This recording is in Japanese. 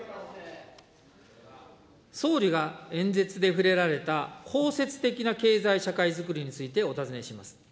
総理が演説で触れられた包摂的な経済社会づくりについてお尋ねします。